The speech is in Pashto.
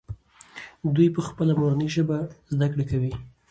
دوی په خپله مورنۍ ژبه زده کړه کوي.